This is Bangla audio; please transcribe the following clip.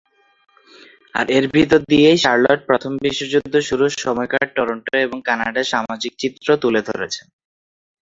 আর এর ভেতর দিয়েই শার্লট প্রথম বিশ্বযুদ্ধ শুরুর সময়কার টরন্টো এবং কানাডার সামাজিক চিত্র তুলে ধরেছেন।